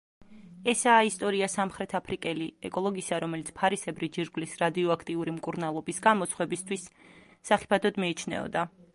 ესაა ისტორია სამხრეთაფრიკელი ეკოლოგისა, რომელიც ფარისებრი ჯირკვლის რადიოაქტიური მკურნალობის გამო სხვებისთვის სახიფათოდ მიიჩნეოდა.